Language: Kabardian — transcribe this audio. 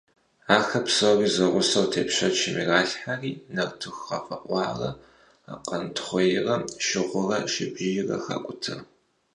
Ахэр псори зэгъусэу тепщэчым иралъхьэри, нартыху гъэфӀэӀуарэ къуэнтхъурейрэ, шыгъурэ шыбжийрэ хакӀутэ.